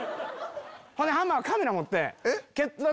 ほんでハマはカメラ持って。